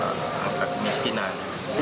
yang mampu mengutaskan kemiskinan